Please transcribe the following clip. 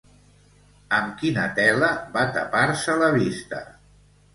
Amb quina tela va tapar-se la vista?